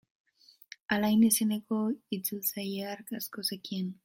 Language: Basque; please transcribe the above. Alain izeneko itzultzaile hark asko zekien.